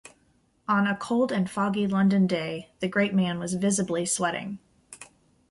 On a cold and foggy London day, the great man was visibly sweating.